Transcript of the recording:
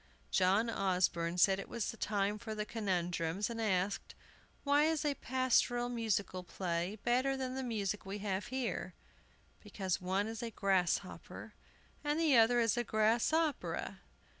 John Osborne said it was time for conundrums, and asked: "Why is a pastoral musical play better than the music we have here? Because one is a grasshopper, and the other is a grass opera!"